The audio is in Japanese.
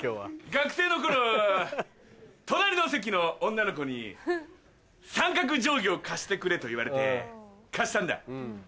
学生の頃隣の席の女の子に三角定規を貸してくれと言われて貸したんだ。